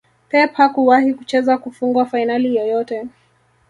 Pep hakuwahi kucheza kufungwa fainali yoyote